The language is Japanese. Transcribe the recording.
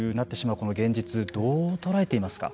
この現実どう捉えていますか。